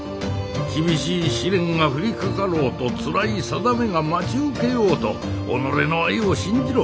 厳しい試練が降りかかろうとつらい定めが待ち受けようと己の愛を信じろ。